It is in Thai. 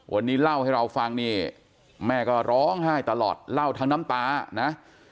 วันนี้เล่าให้เราฟังนี่แม่ก็ร้องไห้ตลอดเล่าทั้งน้ำตานะ